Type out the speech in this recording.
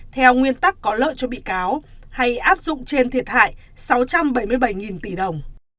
theo nguyên tắc có lợi cho bị cáo hay áp dụng trên thiệt hại sáu trăm bảy mươi bảy tỷ đồng